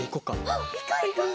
うんいこういこう！